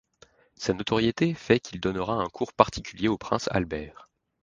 Sa notoriété fait qu'il donnera un cours particulier au prince Albert.